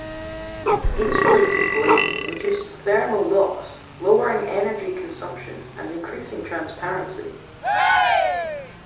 Insulated glazing reduces thermal loss, lowering energy consumption and increasing transparency.